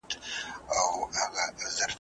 چي ډېر کسان یې ,